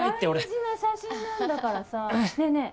大事な写真なんだからさねえねえ